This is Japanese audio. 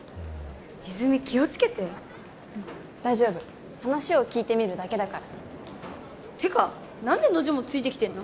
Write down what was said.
泉気をつけてうん大丈夫話を聞いてみるだけだからてか何でノジもついてきてんの？